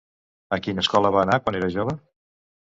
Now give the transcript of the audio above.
A quina escola va anar quan era jove?